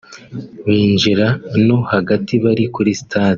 binjira no hagati bari kuri Stage